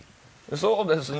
そうですね。